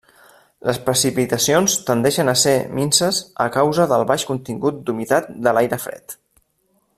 Les precipitacions tendeixen a ser minses a causa del baix contingut d'humitat de l'aire fred.